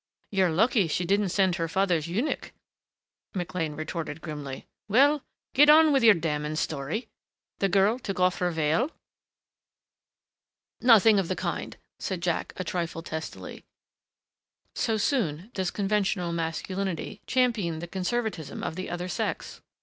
"You're lucky she didn't send her father's eunuch," McLean retorted grimly. "Well, get on with your damning story. The girl took off her veil " "Nothing of the kind," said Jack a trifle testily so soon does conventional masculinity champion the conservatism of the other sex!